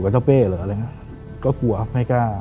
เธอฝัน